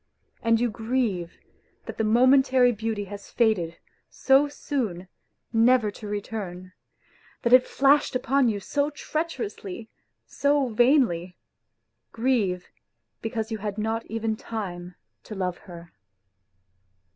... And you grieve that the momentary beauty has faded so soon never to return, that it flashed upon you so treacherously, so vainly, grieve because you had not even time to love her.